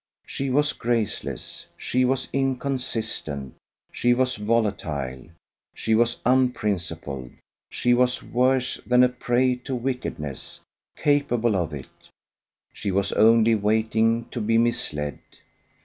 She was graceless, she was inconsistent, she was volatile, she was unprincipled, she was worse than a prey to wickedness capable of it; she was only waiting to be misled.